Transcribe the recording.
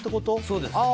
そうです。